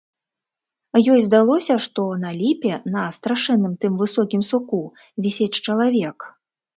Ёй здалося, што на ліпе, на страшэнным тым высокім суку вісіць чалавек.